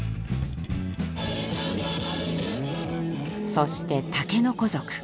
そして竹の子族。